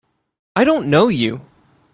I don't know you!